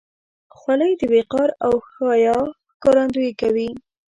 خولۍ د وقار او حیا ښکارندویي کوي.